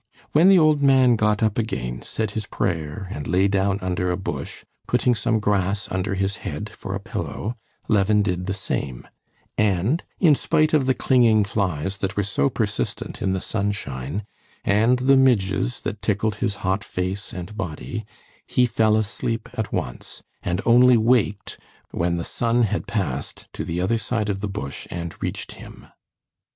When the old man got up again, said his prayer, and lay down under a bush, putting some grass under his head for a pillow, Levin did the same, and in spite of the clinging flies that were so persistent in the sunshine, and the midges that tickled his hot face and body, he fell asleep at once and only waked when the sun had passed to the other side of the bush and reached him.